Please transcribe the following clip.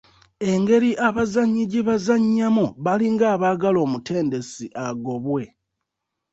Engeri abazannyi gye bazannyamu balinga abaagala omutendesi agobwe.